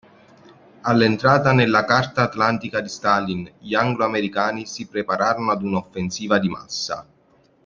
All'entrata nella Carta Atlantica di Stalin, gli anglo-americani si preparano ad una offensiva di massa.